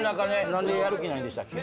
何でやる気ないんでしたっけ？